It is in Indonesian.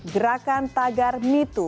gerakan tagar mitu